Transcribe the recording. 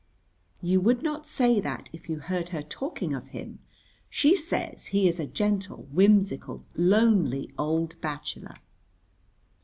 "You would not say that if you heard her talking of him. She says he is a gentle, whimsical, lonely old bachelor."